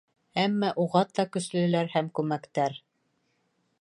Әммә уғата көслөләр һәм күмәктәр.